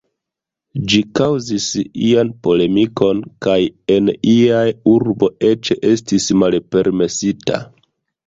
Ĝi kaŭzis ian polemikon kaj en iaj urbo eĉ estis malpermesita.